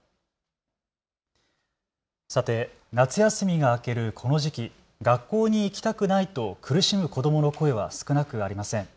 さて、夏休みが明けるこの時期、学校に行きたくないと苦しむ子どもの声は少なくありません。